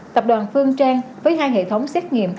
tập đoàn phương trang với hai hệ thống xét nghiệm